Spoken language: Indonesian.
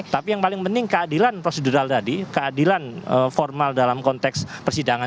tapi yang paling penting keadilan prosedural tadi keadilan formal dalam konteks persidangan